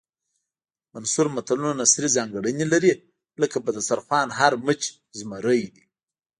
منثور متلونه نثري ځانګړنې لري لکه په دسترخوان هر مچ زمری دی